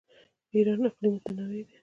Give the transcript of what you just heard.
د ایران اقلیم متنوع دی.